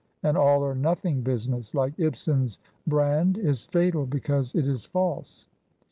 'An all or nothing' business like Ibsen's Brand is fatal because it is false."